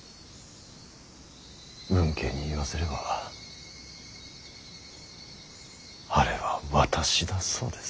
運慶に言わせればあれは私だそうです。